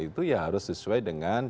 itu ya harus sesuai dengan